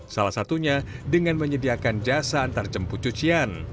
salah satunya dengan menyediakan jasa antar jemput cucian